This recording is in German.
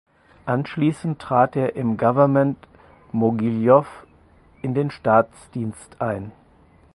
Anschließend trat er im Gouvernement Mogiljow in den Staatsdienst ein.